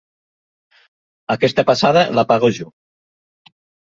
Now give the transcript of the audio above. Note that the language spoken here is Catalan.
Aquesta passada, la pago jo.